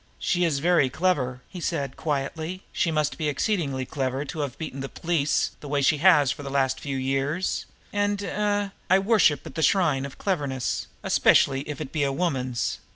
"She is very clever," he said quietly. "She must be exceedingly clever to have beaten the police the way she has for the last few years; and er I worship at the shrine of cleverness especially if it be a woman's.